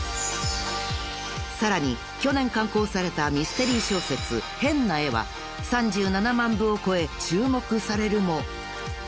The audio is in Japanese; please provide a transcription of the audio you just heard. ［さらに去年刊行されたミステリー小説『変な絵』は３７万部を超え注目されるも］